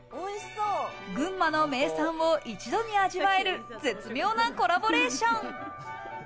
群馬の名産を一度に味わえる絶妙なコラボレーション。